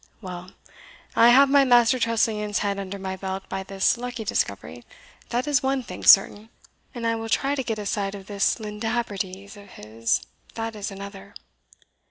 Well I have my Master Tressilian's head under my belt by this lucky discovery, that is one thing certain; and I will try to get a sight of this Lindabrides of his, that is another."